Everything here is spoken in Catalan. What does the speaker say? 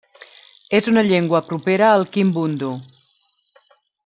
És una llengua propera al kimbundu.